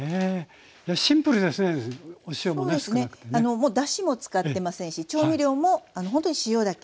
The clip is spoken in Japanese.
もうだしも使ってませんし調味料もほんとに塩だけ。